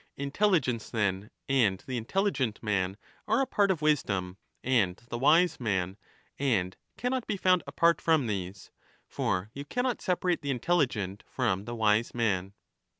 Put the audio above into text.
15 Intelligence, then, and the intelligent man are a part of wisdom and the wise man, and cannot be found apart from these ; for you cannot separate the intelligent from the wise man.